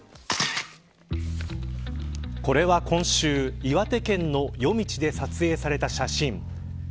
これは今週岩手県の夜道で撮影された写真。